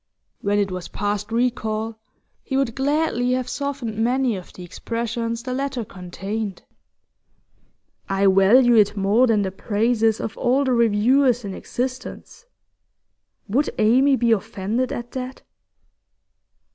When it was past recall, he would gladly have softened many of the expressions the letter contained. 'I value it more than the praises of all the reviewers in existence' would Amy be offended at that?